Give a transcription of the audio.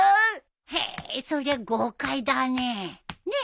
へえそりゃ豪快だね。